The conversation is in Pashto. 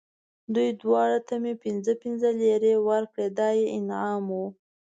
دوی دواړو ته مې پنځه پنځه لېرې ورکړې، دا یې انعام و.